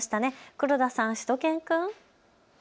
黒田さん、しゅと犬くん。